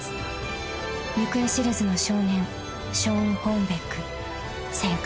［行方知れずの少年ショーン・ホーンベック生還］